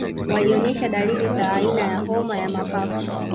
Walioonesha dalili za aina ya homa ya mapafu